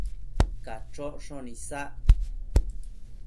Cachocshon isac